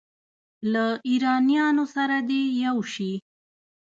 له ایرانیانو سره دې یو شي.